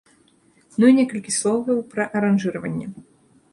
Ну і некалькі словаў пра аранжыраванне.